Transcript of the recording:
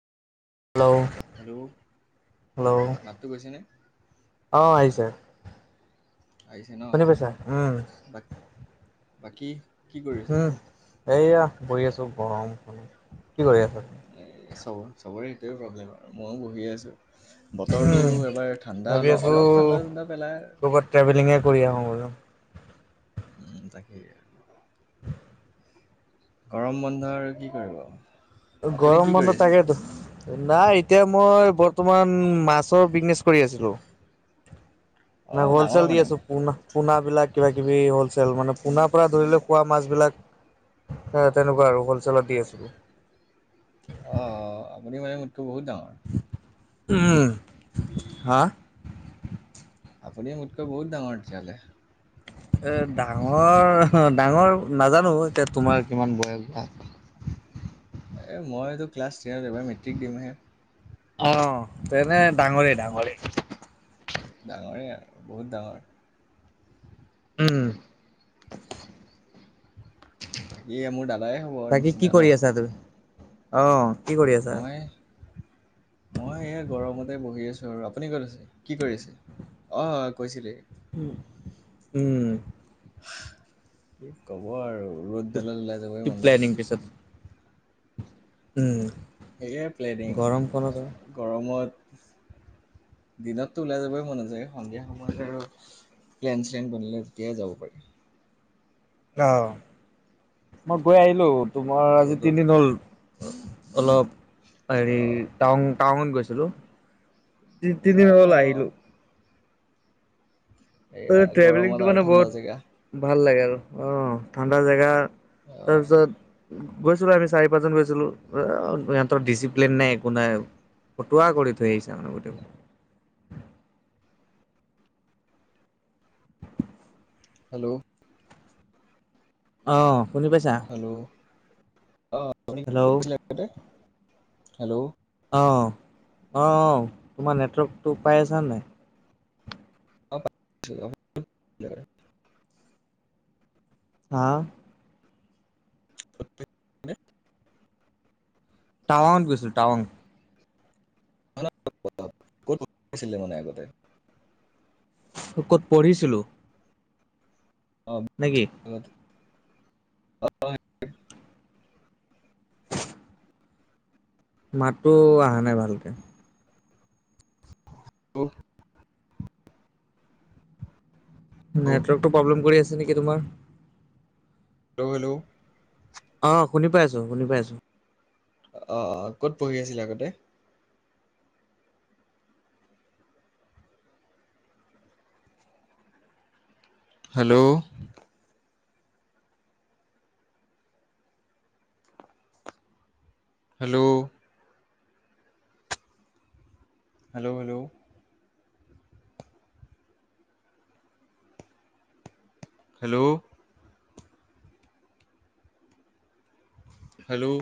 Hello, hello, hello মাতটো গৈছেনে? অ, আহিছে। শুনি পাইছা উম, বা বাকী কি কৰি আছা? উম এইয়া বহি আছো, গৰম কি কৰি আছা? এই চব-চবৰে সেইটোৱে প্ৰব্লেম আৰু ময়ো বহি আছো। বতৰটো এবাৰ ঠাণ্ডা ভাবি আছো অলপ-অলপ ঠাণ্ডা-ঠাণ্ডা পেলাই। কৰ'বাত ট্ৰেভেলিঙে কৰি আহো আৰু। উম, তাকেই। গৰম বন্ধ আৰু কি কৰিব। আপুনি গৰম কি কৰি বন্ধ আছে তাকেতো নাই এতিয়া মই বৰ্তমান মাছৰ বিজনেছ কৰি আছিলো। নাই অঁ ডাঙৰ হলচেল দি মানে আছো মই পোণা- পোনা বিলাক কিবা কিবি হলচেল মানে পোনাৰ পৰা ধৰিলে খোৱা মাছবিলাক হে তেনেকোৱা আৰু হলছেলত দি আছিলে অ আপুনি মানে মোতকে বহুত ডাঙৰ। উম হা আপুনি মোতকৈ বহুত ডাঙৰ তেতিয়াহলে। এ ডাঙৰ-ডাঙৰ নাজানো এতিয়া তোমাৰ কিমান বয়স বা? এই মইতো ক্লাছ টেনত এবাৰ মেট্ৰিক দিমহে। অ, তেনে ডাঙৰে - ডাঙৰে। ডাঙৰেই আৰু বহুত ডাঙৰ। উম, বাকী মোৰ দাদাই হব বাকী কি নিচিনা কৰি ন। আছা তুমি? অ, কি কৰি আছা? মই মই এ গৰমতে বহি আছো আৰু আপুনি ক'ত আছে কি কৰিছে? অ, কৈছিলে উম উম। কি ক'ব আৰু ৰ'দডালত ওলাই যাবই টিপ মন প্লেনিং নযায়। পিছত উম। সেয়াই প্লেনিং গৰমখনত আৰু। গৰমত দিনততো ওলাই যাবই মন নাযায় সন্ধিয়া সময়ত আৰু প্লেন চেলেন বনিলে তেতিয়াই যাব পাৰি অহ মই গৈ আহিলো তোমাৰ আজি ৰ'দত তিনিদিন হ'ল অলপ হেৰি অ', টাউন- টাউনত গৈছিলো। তি তিনিদিন হল অ', আহিলো। এয়া তই গৰমত ট্ৰেভেলিংটো আৰু মানে ঠাণ্ডা জেগা বহুত ভাল লাগে আৰু অ, ঠাণ্ডা জেগা অ', তাৰপিছত গৈছিলো আমি চাৰি পাঁচজন গৈছিলো আ ইহঁতৰ ডিচিপ্লিন নাই একো নাই। ফটুৱা কৰি থৈ আহিছো মানে গোটেই হেল্ল', অ শুনি পাইছা হেল্ল' অ আপুনি কি হেল্ল' কৈছিলে আগতে হেল্ল' অ অ অ তোমাৰ নেটৱৰ্কটো পাই আছা নাই শ্বিলং হা ত [unintelligible] টাৱঙত গৈছো টাৱাং অ কতো আছিলে মানে আগতে ক'ত পঢ়িছিলো অ নে কি কত মাতটো অহা নাই ভালকে অ' নেটৱৰ্কটো প্ৰব্লেম কৰি আছে নেকি তোমাৰ হেল্ল হেল্ল অ শুনি পাইছো শুনি পাইছো। অ অ ক'ত পঢ়ি আছিলা আগতে hello. Hello. Hello hello. Hello. Hello.